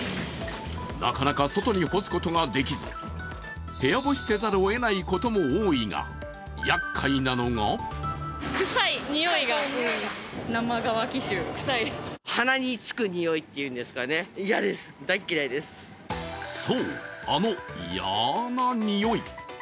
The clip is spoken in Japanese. なかなか外に干すことができず部屋干しせざるをえないことも多いが、やっかいなのがそう、あの嫌な臭い。